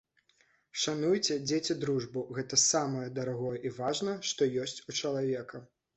Шануйце, дзеці, дружбу, гэта самае дарагое і важнае, што ёсць у чалавека.